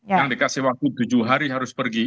yang dikasih waktu tujuh hari harus pergi